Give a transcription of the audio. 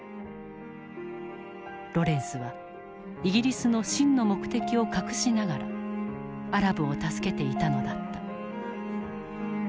ロレンスはイギリスの真の目的を隠しながらアラブを助けていたのだった。